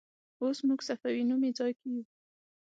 اوس موږ صفوي نومې ځای کې یو.